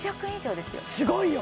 すごいよ！